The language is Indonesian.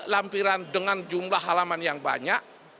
lampiran dengan jumlah halaman yang banyak